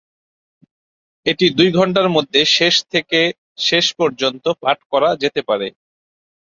এটি দুই ঘন্টার মধ্যে শেষ থেকে শেষ পর্যন্ত পাঠ করা যেতে পারে।